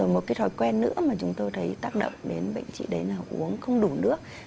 một cái thói quen nữa mà chúng tôi thấy tác động đến bệnh chị đấy là uống không đủ nước